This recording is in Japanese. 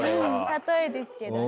例えですけどね。